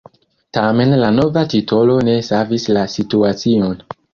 Tamen la nova titolo ne savis la situacion.